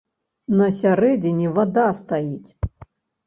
На сярэдзіне вада стаіць.